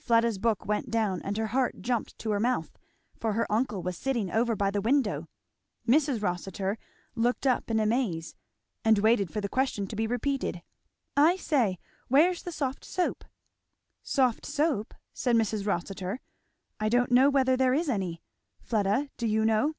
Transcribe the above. Fleda's book went down and her heart jumped to her mouth, for her uncle was sitting over by the window. Mrs. Rossitur looked up in a maze and waited for the question to be repeated. "I say, where's the soft soap?" "Soft soap!" said Mrs. Rossitur, "I don't know whether there is any. Fleda, do you know?"